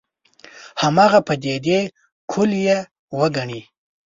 هماغه پدیدې کُل یې وګڼي.